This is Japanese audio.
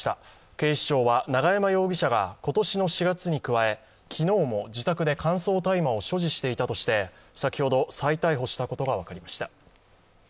警視庁は永山容疑者が今年の４月に加え昨日も自宅で乾燥大麻を所持していたとして、先ほど再逮捕したことが分かりました。